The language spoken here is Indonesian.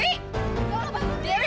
ya allah bangun dewi